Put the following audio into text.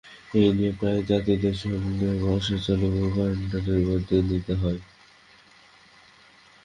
এ নিয়ে প্রায়ই যাত্রীদের সঙ্গে বাসের চালক ও কন্ডাক্টরদের বাগ্বিতণ্ডা হয়।